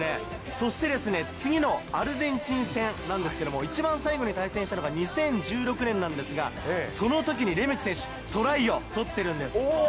そして次のアルゼンチン戦なんですけれども、一番最後に対戦したのが２０１６年なんですが、そのときにレメキ選手、トライを取ってるんです。